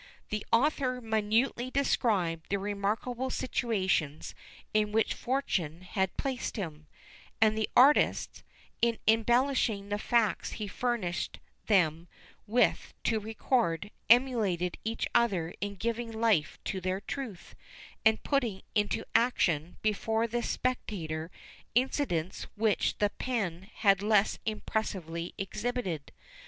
The author minutely described the remarkable situations in which fortune had placed him; and the artists, in embellishing the facts he furnished them with to record, emulated each other in giving life to their truth, and putting into action, before the spectator, incidents which the pen had less impressively exhibited.